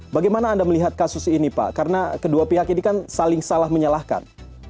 bagaimana anda melihat kasus ini pak karena kedua pihak ini kan saling salah menyalahkan